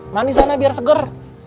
manis sana biar seger